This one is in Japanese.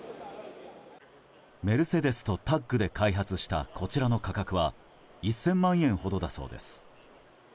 メルセデスとタッグで開発したこちらの価格は１０００万円ほどだそうです。